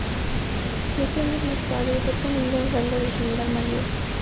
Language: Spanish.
Siete años más tarde, fue promovido al rango de General Mayor.